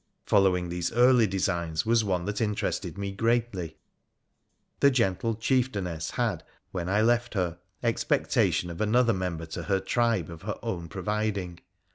Following these early designs was one that interested mj greatly. The gentle chieftainess had, when I left her, ex pectation of another member to her tribe of her own providing.